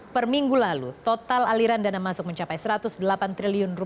per minggu lalu total aliran dana masuk mencapai rp satu ratus delapan triliun